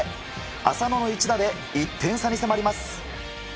浅野の一打で１点差に迫ります。